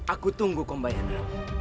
aku tunggu kumbayana